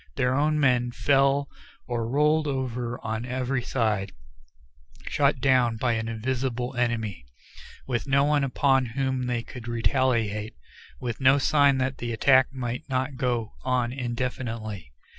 Their own men fell or rolled over on every side, shot down by an invisible enemy, with no one upon whom they could retaliate, with no sign that the attack might not go on indefinitely.